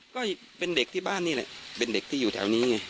ก็เป็นเด็กที่บ้านนี่แหละเป็นเด็กที่อยู่แถวนี้ไง